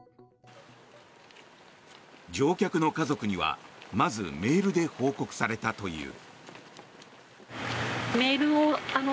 乗客の家族にはまずメールで報告されたという。